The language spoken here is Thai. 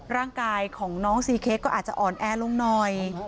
ร่างกายของน้องซีเค้กก็อาจจะอ่อนแอลงหน่อย